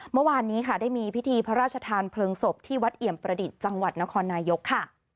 เมื่อวานนี้ค่ะได้มีพิธีพระราชทานเพลิงศพที่วัดเอี่ยมประดิษฐ์จังหวัดนครนายกค่ะ